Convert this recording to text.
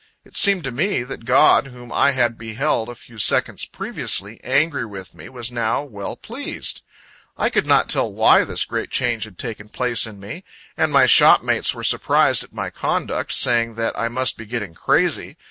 It seemed to me, that God, whom I had beheld, a few seconds previously, angry with me, was now well pleased. I could not tell why this great change had taken place in me; and my shopmates were surprised at my conduct, saying, that I must be getting crazy.